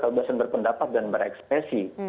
kelebasan berpendapat dan berekspresi